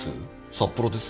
札幌です。